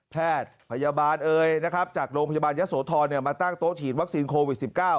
แพทยบาลเอ๋ยจากโรงพยาบาลยศโทรณมาตั้งโต๊ะฉีดวัคซีนโควิด๑๙